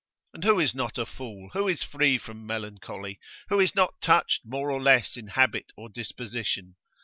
And who is not a fool, who is free from melancholy? Who is not touched more or less in habit or disposition?